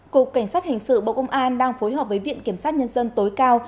cục cảnh sát hình sự bộ công an đang phối hợp với viện kiểm sát nhân dân tối cao